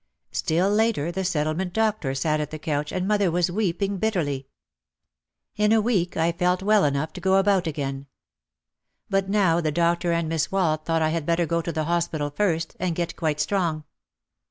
Still later the Settlement doctor sat at the couch and mother was weeping bitterly. 232 OUT OF THE SHADOW In a week I felt well enough to go about again. But now the doctor and Miss Wald thought that I had better go to the hospital first and get quite strong.